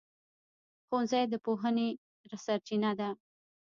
ښوونځی د پوهنې سرچینه ده.